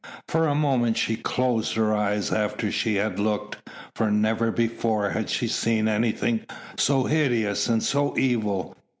For a moment she closed her eyes after she had looked, for never before had she seen anything so hideous and so evil.